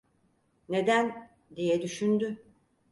"Neden?" diye düşündü.